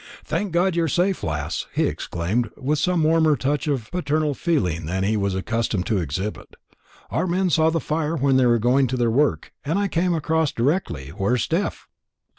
"Thank God you're safe, lass!" he exclaimed, with some warmer touch of paternal feeling than he was accustomed to exhibit. "Our men saw the fire when they were going to their work, and I came across directly. Where's Steph?"